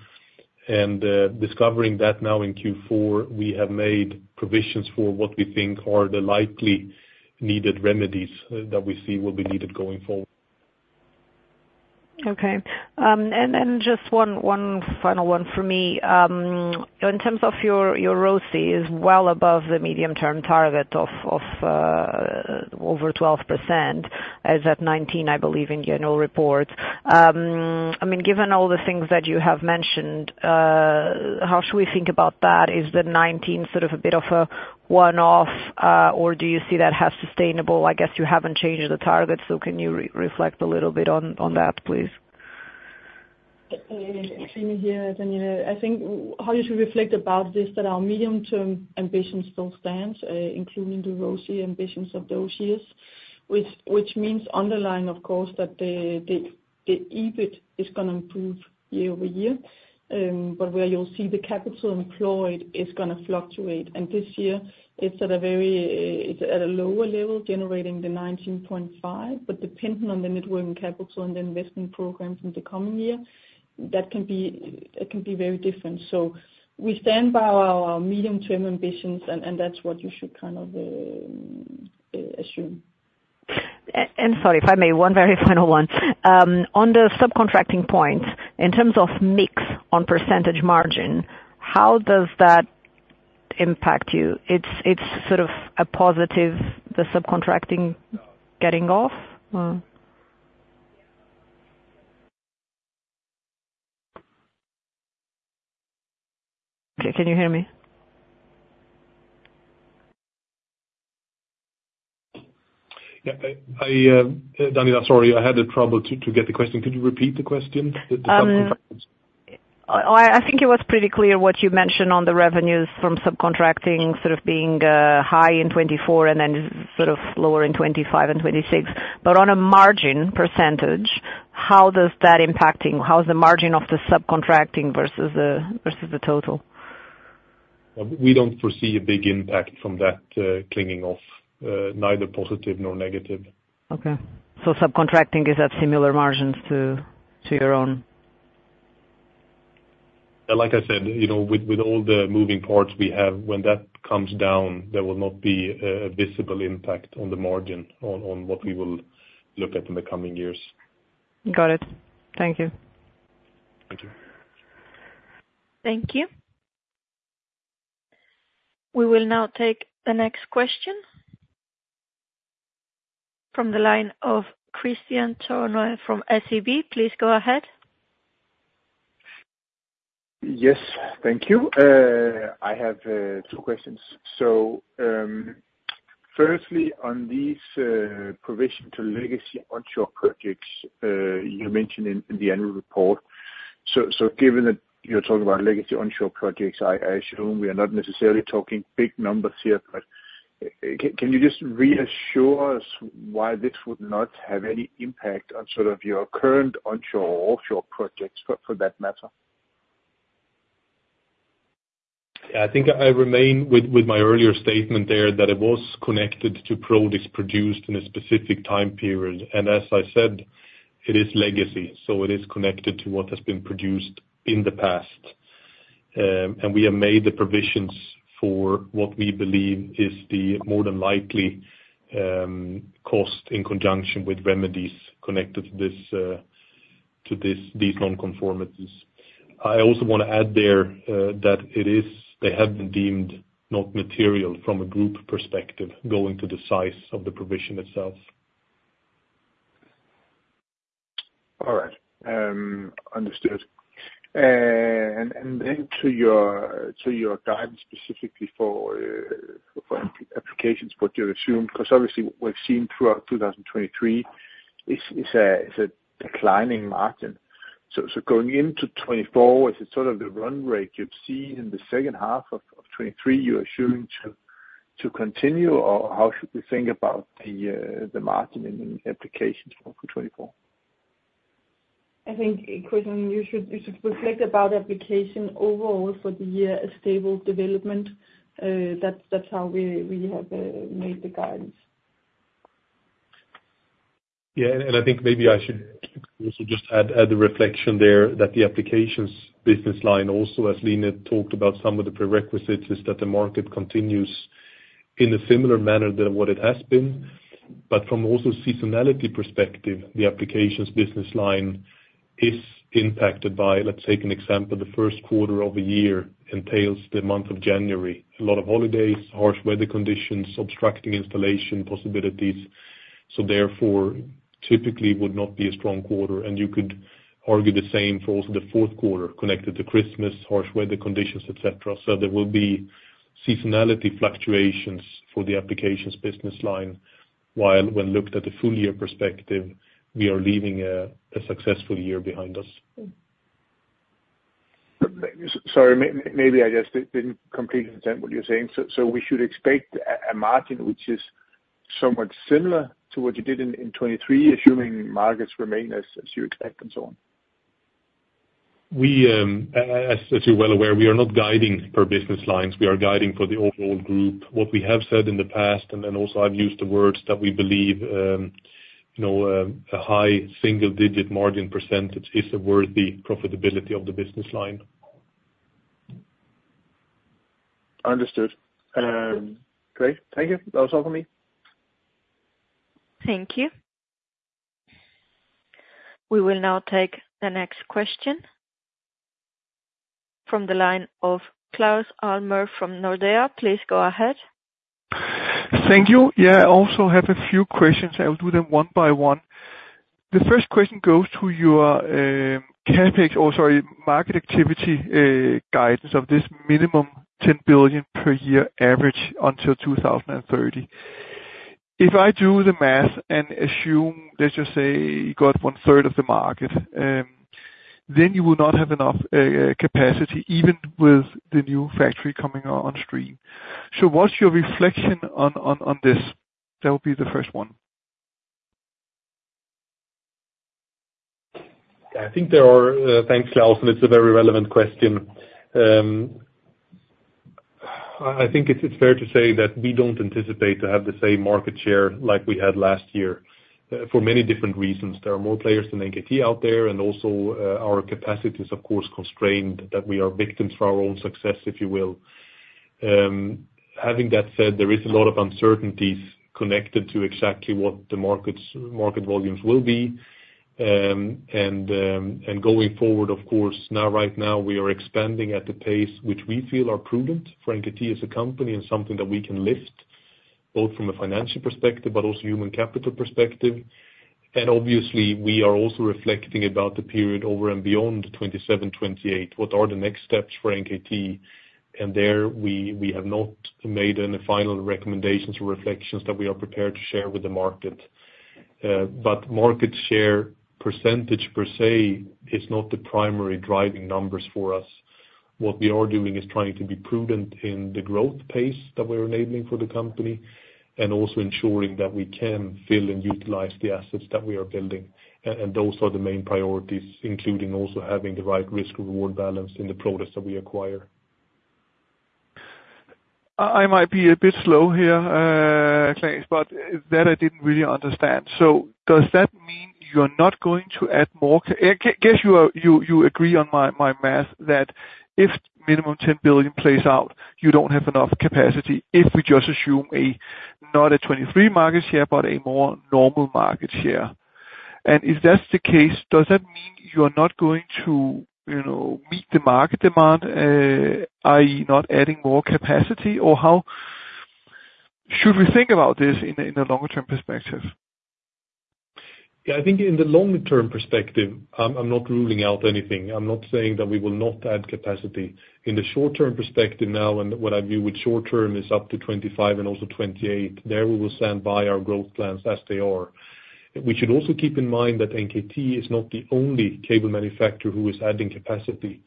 And discovering that now in Q4, we have made provisions for what we think are the likely needed remedies, that we see will be needed going forward. Okay. And just one final one for me. In terms of your ROCE is well above the medium-term target of over 12%, as at 19%, I believe, in annual reports. I mean, given all the things that you have mentioned, how should we think about that? Is the 19% sort of a bit of a one-off, or do you see that as sustainable? I guess you haven't changed the target, so can you re-reflect a little bit on that, please? Line here, Daniela. I think how you should reflect about this, that our medium-term ambitions still stand, including the ROCE ambitions of those years. Which, which means underlying, of course, that the, the, the EBIT is gonna improve year-over-year, but where you'll see the capital employed is gonna fluctuate. And this year it's at a very, it's at a lower level, generating the 19.5%. But depending on the net working capital and the investment programs in the coming year, that can be, it can be very different. So we stand by our medium-term ambitions, and, and that's what you should kind of assume. And sorry, if I may, one very final one. On the subcontracting point, in terms of mix on percentage margin, how does that impact you? It's, it's sort of a positive, the subcontracting getting off, or? Okay, can you hear me? Yeah, Daniela, sorry, I had a trouble to get the question. Could you repeat the question, the subcontracting? I think it was pretty clear what you mentioned on the revenues from subcontracting sort of being high in 2024 and then sort of lower in 2025 and 2026. But on a margin percentage, how does that impacting... How is the margin of the subcontracting versus the total? We don't foresee a big impact from that, clinging off, neither positive nor negative. Okay. So subcontracting is at similar margins to your own? Like I said, you know, with all the moving parts we have, when that comes down, there will not be a visible impact on the margin on what we will look at in the coming years. Got it. Thank you. Thank you. Thank you. We will now take the next question from the line of Kristian Tornøe from SEB. Please go ahead. Yes, thank you. I have two questions. Firstly, on these provision to legacy onshore projects you mentioned in the annual report. Given that you're talking about legacy onshore projects, I assume we are not necessarily talking big numbers here. But can you just reassure us why this would not have any impact on sort of your current onshore or offshore projects, for that matter? Yeah, I think I remain with my earlier statement there, that it was connected to products produced in a specific time period. And as I said, it is legacy, so it is connected to what has been produced in the past. And we have made the provisions for what we believe is the more than likely cost in conjunction with remedies connected to this, these non-conformities. I also want to add there, that it is they have been deemed not material from a group perspective, going to the size of the provision itself. All right, understood. And then to your guidance specifically for applications, what you assume, because obviously what we've seen throughout 2023 is a declining margin. So going into 2024, is it sort of the run rate you've seen in the second half of 2023 you are assuming to continue? Or how should we think about the margin in applications for 2024? I think, Kristian, you should reflect about application overall for the year, a stable development. That's how we have made the guidance. Yeah, and I think maybe also just add a reflection there that the applications business line also, as Line talked about, some of the prerequisites is that the market continues in a similar manner than what it has been. But from also seasonality perspective, the applications business line is impacted by, let's take an example, the first quarter of a year entails the month of January, a lot of holidays, harsh weather conditions, obstructing installation possibilities, so therefore, typically would not be a strong quarter, and you could argue the same for also the fourth quarter, connected to Christmas, harsh weather conditions, et cetera. So there will be seasonality fluctuations for the applications business line, while when looked at the full year perspective, we are leaving a successful year behind us. Sorry, maybe I just didn't completely understand what you're saying. So we should expect a margin which is somewhat similar to what you did in 2023, assuming markets remain as you expect and so on? We, as you're well aware, we are not guiding per business lines. We are guiding for the overall group. What we have said in the past, and then also I've used the words that we believe, you know, a high single digit margin % is a worthy profitability of the business line. Understood. Great. Thank you. That was all for me. Thank you. We will now take the next question from the line of Claus Almer from Nordea. Please go ahead. Thank you. Yeah, I also have a few questions. I will do them one by one. The first question goes to your CapEx, or sorry, market activity guidance of this minimum 10 billion per year average until 2030. If I do the math and assume, let's just say, you got one third of the market, then you will not have enough capacity, even with the new factory coming on stream. So what's your reflection on this? That will be the first one. I think there are. Thanks, Claus, and it's a very relevant question. I think it's fair to say that we don't anticipate to have the same market share like we had last year, for many different reasons. There are more players than NKT out there, and also, our capacity is of course constrained, that we are victims for our own success, if you will. Having that said, there is a lot of uncertainties connected to exactly what the markets, market volumes will be. And going forward, of course, now, right now, we are expanding at the pace which we feel are prudent for NKT as a company and something that we can lift, both from a financial perspective, but also human capital perspective. And obviously, we are also reflecting about the period over and beyond 2027, 2028. What are the next steps for NKT? And there, we have not made any final recommendations or reflections that we are prepared to share with the market. But market share percentage per se is not the primary driving numbers for us. What we are doing is trying to be prudent in the growth pace that we are enabling for the company, and also ensuring that we can fill and utilize the assets that we are building. And those are the main priorities, including also having the right risk-reward balance in the products that we acquire. I might be a bit slow here, Clarence, but that I didn't really understand. So does that mean you're not going to add more I guess you agree on my math, that if minimum 10 billion plays out, you don't have enough capacity, if we just assume not a 23% market share, but a more normal market share. And if that's the case, does that mean you are not going to, you know, meet the market demand, i.e., not adding more capacity? Or how should we think about this in a longer term perspective? Yeah, I think in the longer term perspective, I'm not ruling out anything. I'm not saying that we will not add capacity. In the short term perspective now, and what I view with short term is up to 2025 and also 2028, there we will stand by our growth plans as they are. We should also keep in mind that NKT is not the only cable manufacturer who is adding capacity.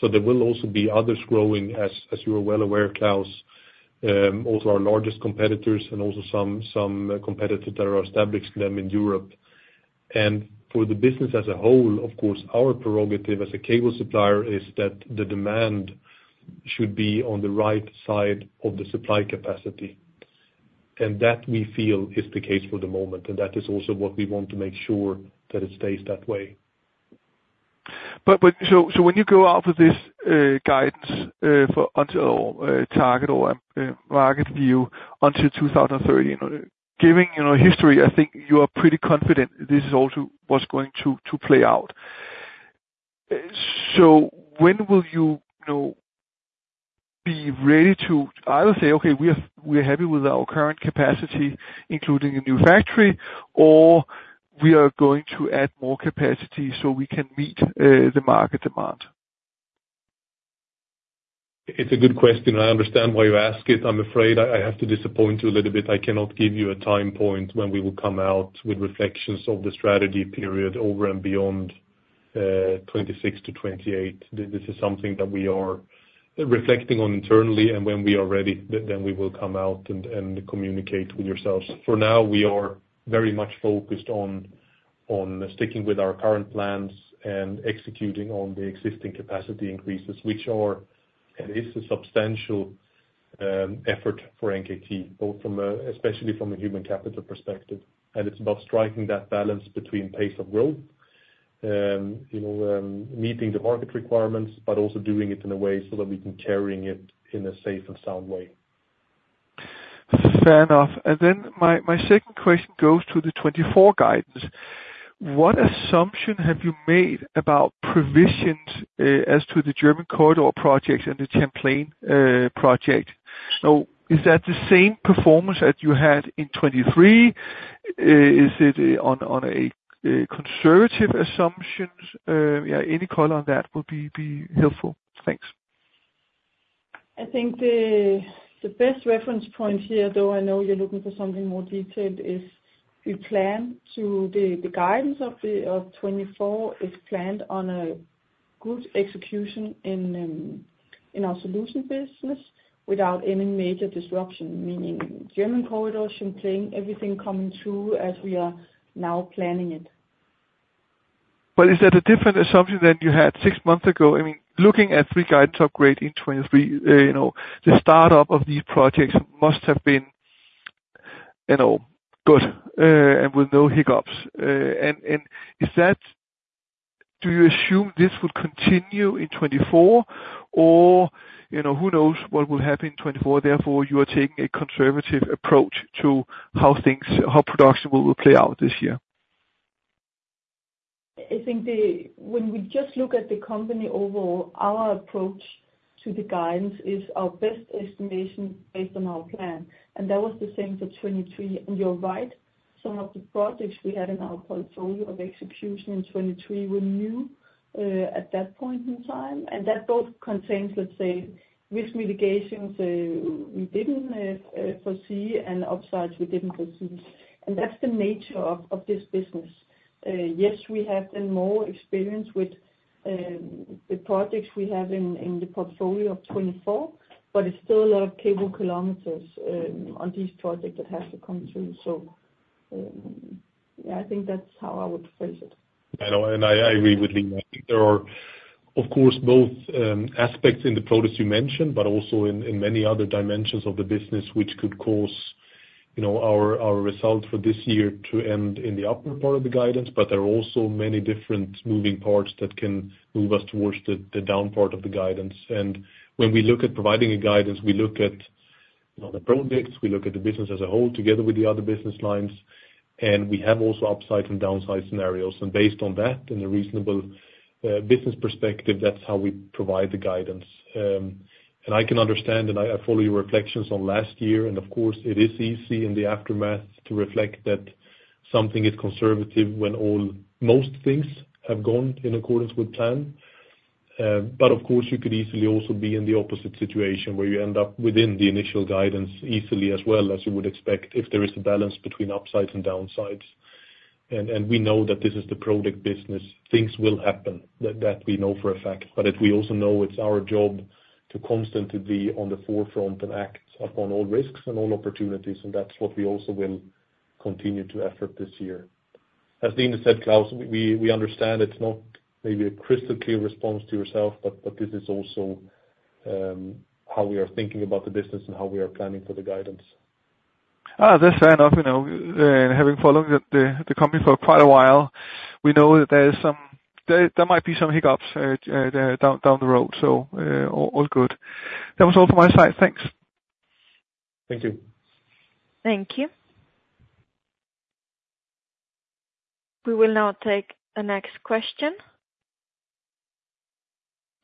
So there will also be others growing, as you are well aware, Claus, also our largest competitors and also some competitor that are established them in Europe. And for the business as a whole, of course, our prerogative as a cable supplier is that the demand should be on the right side of the supply capacity. That, we feel, is the case for the moment, and that is also what we want to make sure that it stays that way. So when you go out with this guidance for our target or market view until 2030, you know, given the history, I think you are pretty confident this is also what's going to play out. So when will you, you know, be ready to either say, "Okay, we are happy with our current capacity, including a new factory," or, "We are going to add more capacity so we can meet the market demand? It's a good question. I understand why you ask it. I'm afraid I have to disappoint you a little bit. I cannot give you a time point when we will come out with reflections of the strategy period over and beyond 2026-2028. This is something that we are reflecting on internally, and when we are ready, then we will come out and communicate with yourselves. For now, we are very much focused on sticking with our current plans and executing on the existing capacity increases, which is a substantial effort for NKT, both from a, especially from a human capital perspective. It's about striking that balance between pace of growth, you know, meeting the market requirements, but also doing it in a way so that we can carrying it in a safe and sound way. Fair enough. And then my second question goes to the 2024 guidance. What assumption have you made about provisions as to the German Corridor projects and the Champlain project? So is that the same performance that you had in 2023? Is it on a conservative assumptions? Yeah, any color on that would be helpful. Thanks. I think the best reference point here, though I know you're looking for something more detailed, is we plan to the guidance for 2024 is planned on a good execution in our solutions business, without any major disruption. Meaning German Corridor, Champlain, everything coming through as we are now planning it. But is that a different assumption than you had six months ago? I mean, looking at pre-guidance upgrade in 2023, you know, the start up of these projects must have been, you know, good, and with no hiccups. And is that do you assume this will continue in 2024? Or, you know, who knows what will happen in 2024, therefore you are taking a conservative approach to how things, how production will play out this year. I think when we just look at the company overall, our approach to the guidance is our best estimation based on our plan, and that was the same for 2023. And you're right, some of the projects we had in our portfolio of execution in 2023 were new at that point in time. And that both contains, let's say, risk mitigations we didn't foresee, and upsides we didn't foresee. And that's the nature of this business. Yes, we have been more experienced with the projects we have in the portfolio of 2024, but it's still a lot of cable kilometers on these projects that have to come through. So, yeah, I think that's how I would phrase it. I know, and I agree with Line. I think there are, of course, both aspects in the products you mentioned, but also in many other dimensions of the business, which could cause, you know, our result for this year to end in the upper part of the guidance. But there are also many different moving parts that can move us towards the down part of the guidance. And when we look at providing a guidance, we look at, you know, the projects, we look at the business as a whole, together with the other business lines, and we have also upside and downside scenarios. And based on that, and a reasonable business perspective, that's how we provide the guidance. And I can understand, and I, I follow your reflections on last year, and of course, it is easy in the aftermath to reflect that something is conservative when all most things have gone in accordance with plan. But of course, you could easily also be in the opposite situation, where you end up within the initial guidance easily, as well as you would expect, if there is a balance between upsides and downsides. And, and we know that this is the product business. Things will happen, that, that we know for a fact, but as we also know, it's our job to constantly be on the forefront and act upon all risks and all opportunities, and that's what we also will continue to effort this year. As Line has said, Claus, we understand it's not maybe a crystal clear response to yourself, but this is also how we are thinking about the business and how we are planning for the guidance. Ah, that's fair enough. You know, having followed the company for quite a while, we know that there might be some hiccups down the road, so all good. That was all from my side. Thanks. Thank you. Thank you. We will now take the next question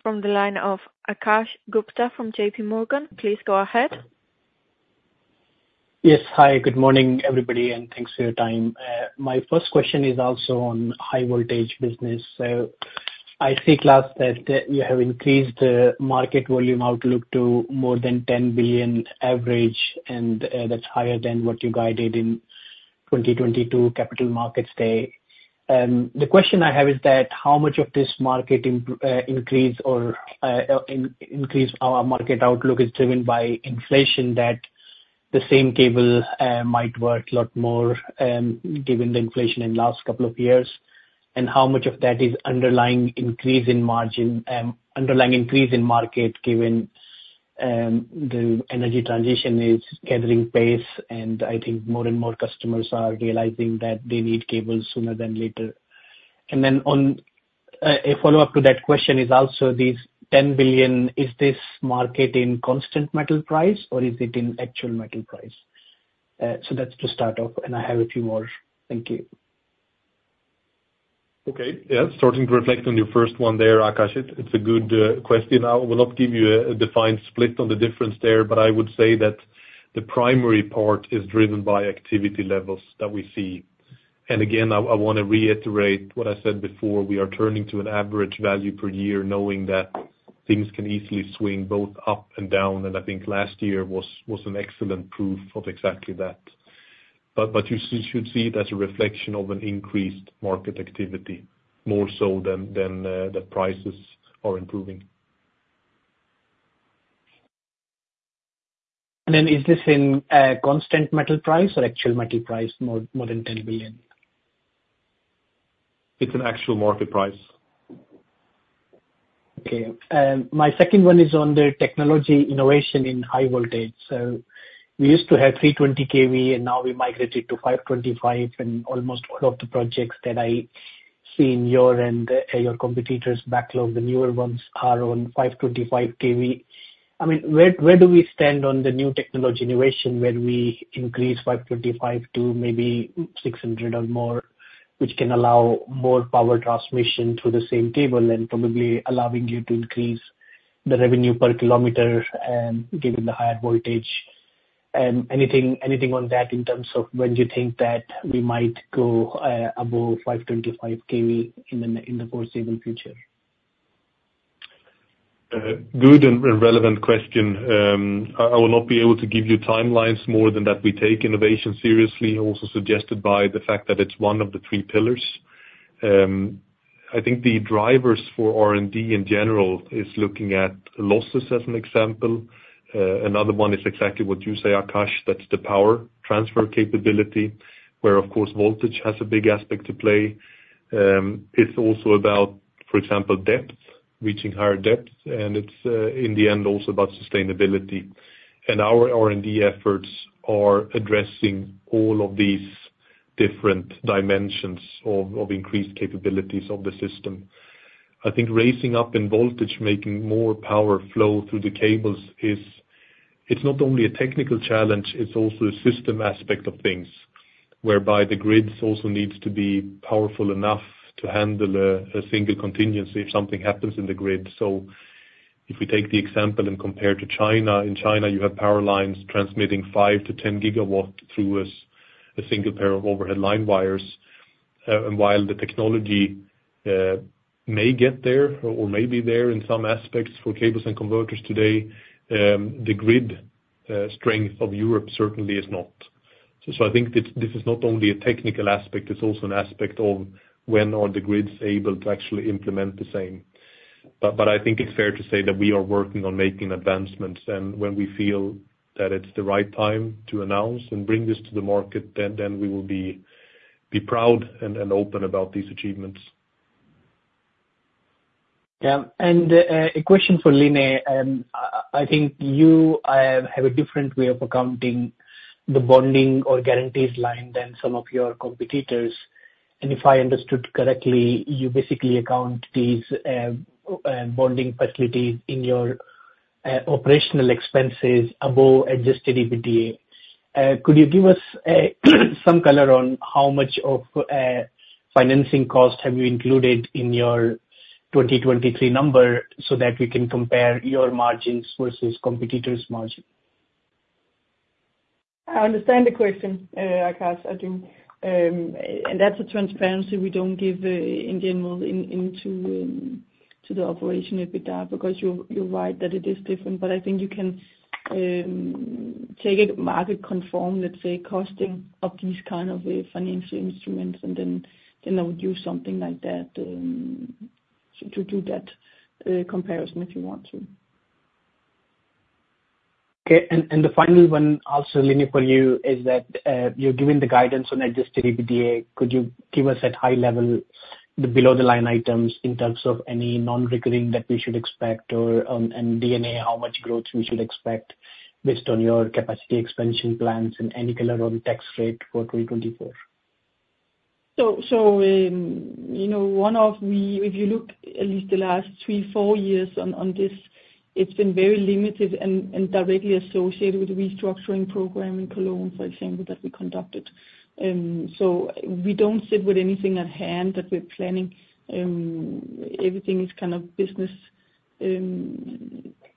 from the line of Akash Gupta from JPMorgan. Please go ahead. Yes. Hi, good morning, everybody, and thanks for your time. My first question is also on high voltage business. So I see, Claus, that you have increased the market volume outlook to more than 10 billion average, and that's higher than what you guided in 2022 Capital Markets Day. The question I have is that how much of this market increase in our market outlook is driven by inflation, that the same cable might worth a lot more, given the inflation in last couple of years? And how much of that is underlying increase in margin, underlying increase in market, given the energy transition is gathering pace, and I think more and more customers are realizing that they need cables sooner than later? And then on a follow-up to that question is also this 10 billion: Is this market in constant metal price, or is it in actual metal price? So that's to start off, and I have a few more. Thank you. Okay. Yeah, starting to reflect on your first one there, Akash, it's a good question. I will not give you a defined split on the difference there, but I would say that the primary part is driven by activity levels that we see. And again, I wanna reiterate what I said before, we are turning to an average value per year, knowing that things can easily swing both up and down, and I think last year was an excellent proof of exactly that. But you should see it as a reflection of an increased market activity, more so than the prices are improving. And then, is this in constant metal price or actual metal price, more than 10 billion? It's an actual market price. Okay. My second one is on the technology innovation in high voltage. So we used to have 320 kV, and now we migrated to 525, and almost all of the projects that I see in your and your competitors' backlog, the newer ones are on 525 kV. I mean, where, where do we stand on the new technology innovation, where we increase 525 to maybe 600 or more, which can allow more power transmission through the same cable and probably allowing you to increase the revenue per kilometer and given the higher voltage? And anything, anything on that in terms of when do you think that we might go above 525 kV in the foreseeable future? Good and relevant question. I will not be able to give you timelines more than that. We take innovation seriously, also suggested by the fact that it's one of the three pillars. I think the drivers for R&D in general is looking at losses, as an example. Another one is exactly what you say, Akash, that's the power transfer capability, where, of course, voltage has a big aspect to play. It's also about, for example, depth, reaching higher depths, and it's in the end, also about sustainability. And our R&D efforts are addressing all of these different dimensions of increased capabilities of the system. I think raising up in voltage, making more power flow through the cables is. It's not only a technical challenge, it's also a system aspect of things, whereby the grids also needs to be powerful enough to handle a, a single contingency if something happens in the grid. So if we take the example and compare to China, in China, you have power lines transmitting 5-10 gigawatts through a a single pair of overhead line wires. And while the technology may get there or, or may be there in some aspects for cables and converters today, the grid strength of Europe certainly is not. So, so I think this, this is not only a technical aspect, it's also an aspect of when are the grids able to actually implement the same. I think it's fair to say that we are working on making advancements, and when we feel that it's the right time to announce and bring this to the market, then we will be proud and open about these achievements. Yeah. A question for Line. I think you have a different way of accounting the bonding or guarantees line than some of your competitors. If I understood correctly, you basically account these bonding facilities in your operational expenses above adjusted EBITDA. Could you give us some color on how much of financing cost have you included in your 2023 number, so that we can compare your margins versus competitors' margin? I understand the question, Akash, I do. And that's a transparency we don't give in general into the operational EBITDA, because you're right that it is different. But I think you can take a market conform, let's say, costing of these kind of financial instruments, and then I would use something like that to do that comparison, if you want to. Okay. And the final one also, Line, for you, is that you're giving the guidance on adjusted EBITDA. Could you give us, at high level, the below-the-line items in terms of any non-recurring that we should expect or and D&A, how much growth we should expect based on your capacity expansion plans, and any color on the tax rate for 2024? You know, one of the if you look at least the last three to four years on this, it's been very limited and directly associated with the restructuring program in Cologne, for example, that we conducted. So we don't sit with anything at hand that we're planning. Everything is kind of business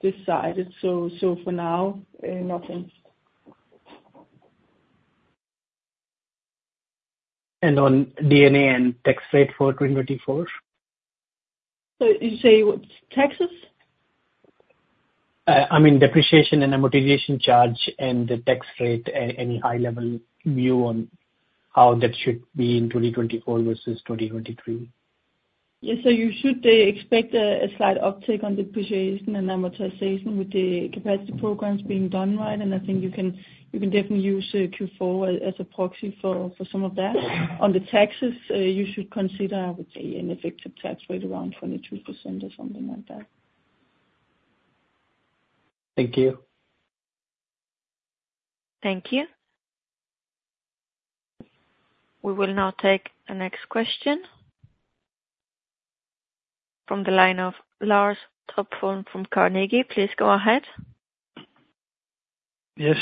decided. For now, nothing. On D&A and tax rate for 2024? So you say, what, taxes? I mean, depreciation and amortization charge and the tax rate, any high-level view on how that should be in 2024 versus 2023? Yeah, so you should expect a slight uptick on depreciation and amortization with the capacity programs being done right. I think you can, you can definitely use Q4 as a proxy for some of that. On the taxes, you should consider, I would say, an effective tax rate around 22% or something like that. Thank you. Thank you. We will now take the next question from the line of Lars Topholm from Carnegie. Please go ahead. Yes,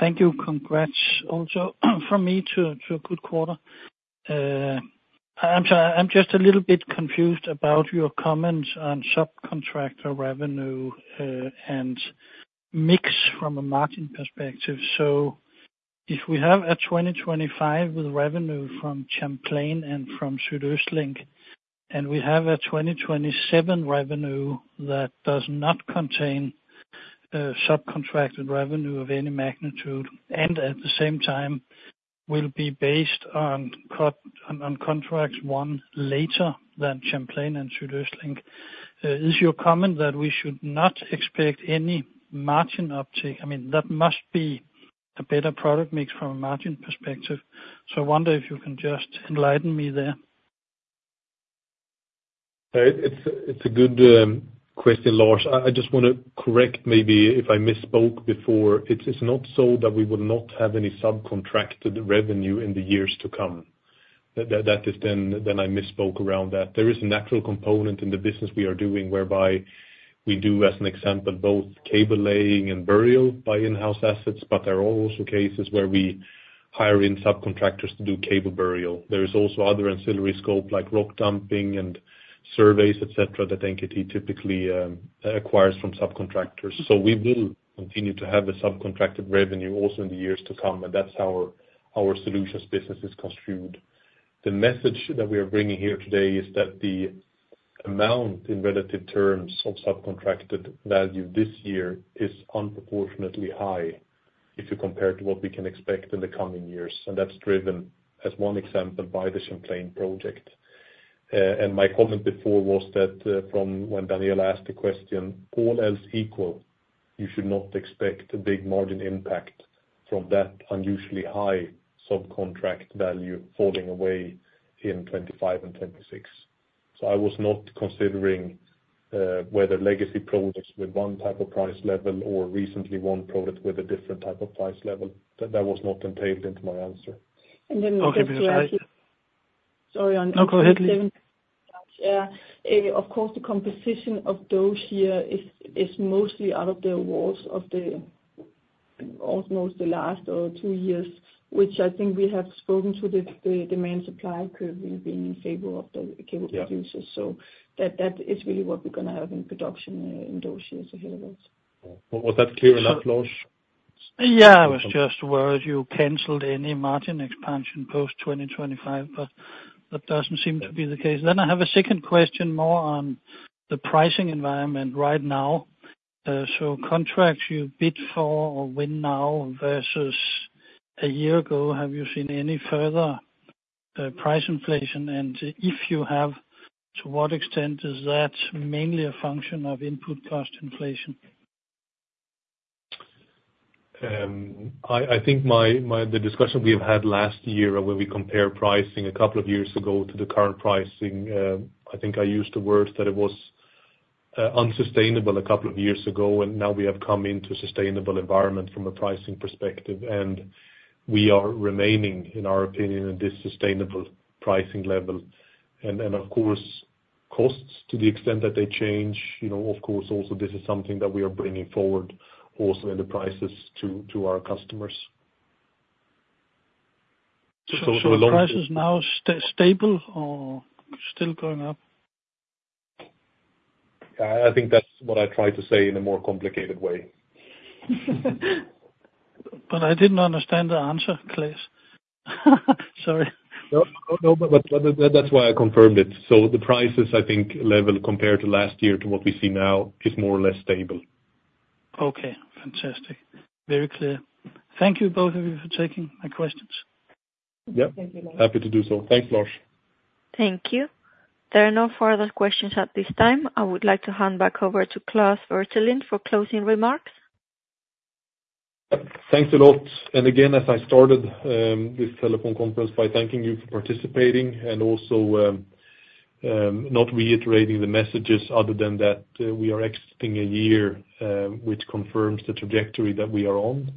thank you. Congrats also, from me, to a good quarter. I'm sorry, I'm just a little bit confused about your comments on subcontractor revenue and mix from a margin perspective. So if we have a 2025 with revenue from Champlain and from SuedOstLink, and we have a 2027 revenue that does not contain subcontracted revenue of any magnitude, and at the same time will be based on contracts won later than Champlain and SuedOstLink, is your comment that we should not expect any margin uptick? I mean, that must be a better product mix from a margin perspective. So I wonder if you can just enlighten me there? It's a good question, Lars. I just wanna correct, maybe if I misspoke before, it is not so that we will not have any subcontracted revenue in the years to come. That is, then I misspoke around that. There is a natural component in the business we are doing, whereby we do, as an example, both cable laying and burial by in-house assets, but there are also cases where we hire in subcontractors to do cable burial. There is also other ancillary scope, like rock dumping and surveys, et cetera, that NKT typically acquires from subcontractors. So we will continue to have the subcontracted revenue also in the years to come, and that's how our solutions business is construed. The message that we are bringing here today is that the amount in relative terms of subcontracted value this year is disproportionately high, if you compare to what we can expect in the coming years, and that's driven, as one example, by the Champlain project. And my comment before was that, from when Daniela asked the question, all else equal, you should not expect a big margin impact from that unusually high subcontract value falling away in 2025 and 2026. So I was not considering whether legacy products with one type of price level or recently one product with a different type of price level, that was not entailed into my answer. And then Okay, thank you. Sorry, No, go ahead, please. Yeah. Of course, the composition of those years is mostly out of the awards of almost the last year or two, which I think we have spoken to the demand supply curve being in favor of the cable Yeah Producers. So that, that is really what we're gonna have in production, in those years ahead of us. Was that clear enough, Lars? Yeah, I was just worried you canceled any margin expansion post-2025, but that doesn't seem to be the case. Then I have a second question, more on the pricing environment right now. So contracts you bid for or win now versus a year ago, have you seen any further price inflation? And if you have, to what extent is that mainly a function of input cost inflation? I think the discussion we've had last year, where we compare pricing a couple of years ago to the current pricing, I think I used the words that it was unsustainable a couple of years ago, and now we have come into a sustainable environment from a pricing perspective. And we are remaining, in our opinion, at this sustainable pricing level. And then, of course, costs to the extent that they change, you know, of course, also this is something that we are bringing forward also in the prices to our customers. So price is now stable or still going up? I think that's what I tried to say in a more complicated way. But I didn't understand the answer, Claes. Sorry. No, but that's why I confirmed it. So the prices, I think, level compared to last year to what we see now, is more or less stable. Okay, fantastic. Very clear. Thank you, both of you, for taking my questions. Yeah. Thank you. Happy to do so. Thanks, Lars. Thank you. There are no further questions at this time. I would like to hand back over to Claes Westerlind for closing remarks. Thanks a lot. Again, as I started, this telephone conference by thanking you for participating, and also, not reiterating the messages other than that, we are exiting a year, which confirms the trajectory that we are on.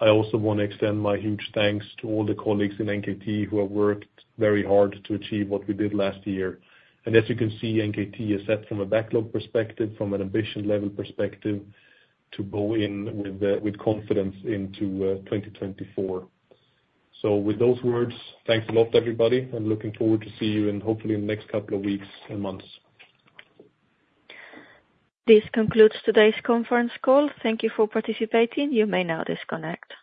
I also want to extend my huge thanks to all the colleagues in NKT who have worked very hard to achieve what we did last year. As you can see, NKT is set from a backlog perspective, from an ambition level perspective, to go in with confidence into 2024. With those words, thanks a lot, everybody. I'm looking forward to see you in, hopefully, in the next couple of weeks and months. This concludes today's conference call. Thank you for participating. You may now disconnect.